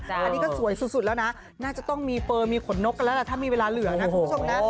อันนี้ก็สวยสุดแล้วนะน่าจะต้องมีเปอร์มีขนนกกันแล้วล่ะถ้ามีเวลาเหลือนะคุณผู้ชมนะ